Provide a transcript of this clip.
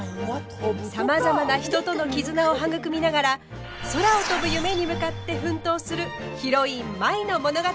さまざまな人との絆を育みながら空を飛ぶ夢に向かって奮闘するヒロイン舞の物語。